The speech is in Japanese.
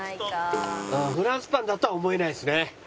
フランスパンだとは思えないですね。